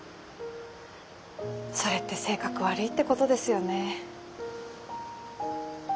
それって性格悪いってことですよね。